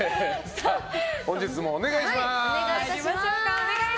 本日もお願いします。